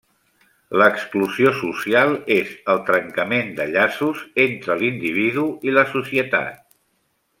L'exclusió social és el trencament de llaços entre l'individu i la societat.